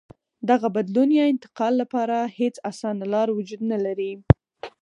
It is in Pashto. دغه بدلون یا انتقال لپاره هېڅ اسانه لار وجود نه لري.